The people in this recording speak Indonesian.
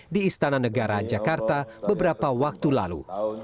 di istana negara jakarta beberapa waktu lalu